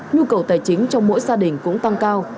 nhu cầu tài chính trong mỗi gia đình cũng tăng cao